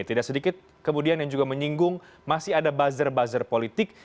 tidak sedikit kemudian yang juga menyinggung masih ada buzzer buzzer politik